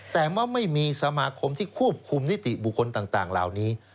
แต่ว่าไม่มีสมาคมที่ควบคุมนิติบุคคลต่างเหล่านี้